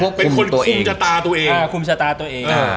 คนคุมชะตาตัวเอง